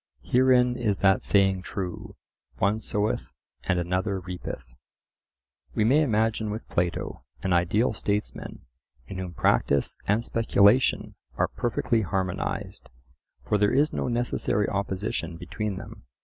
"Herein is that saying true, One soweth and another reapeth." We may imagine with Plato an ideal statesman in whom practice and speculation are perfectly harmonized; for there is no necessary opposition between them.